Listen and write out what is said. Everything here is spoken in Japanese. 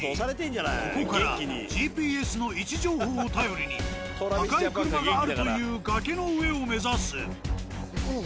ここからＧＰＳの位置情報を頼りに赤い車があるという崖の上を目指す。